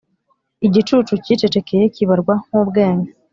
igicucu cyicecekeye kibarwa nkubwenge.